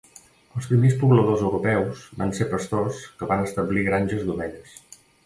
Els primers pobladors europeus van ser pastors que van establir granges d'ovelles.